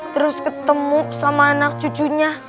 terus ketemu sama anak cucunya